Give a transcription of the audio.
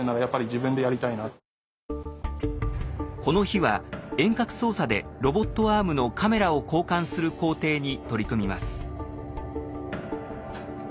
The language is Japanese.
この日は遠隔操作でロボットアームのカメラを交換する工程に取り組みます。